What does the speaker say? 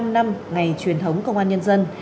bảy mươi năm năm ngày truyền thống công an nhân dân